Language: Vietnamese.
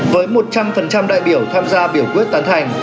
với một trăm linh đại biểu tham gia biểu quyết tán thành